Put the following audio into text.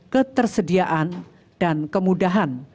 ketersediaan dan kemudahan